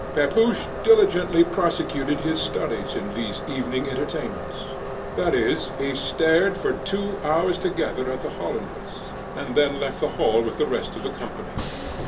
Pepusch diligently prosecuted his studies in these evening entertainments, that is, he stared for two hours together at the Hollandress, and then left the hall with the rest of the company.